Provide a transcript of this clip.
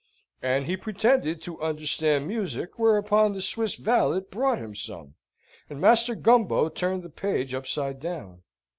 And he pretended to understand music, whereupon the Swiss valet brought him some, and Master Gumbo turned the page upside down.